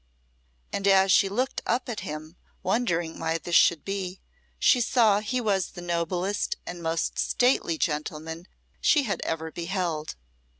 And as she looked up at him, wondering why this should be, she saw he was the noblest and most stately gentleman she had ever beheld.